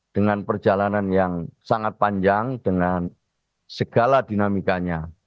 dengan perjalanan yang sangat panjang dengan segala dinamikanya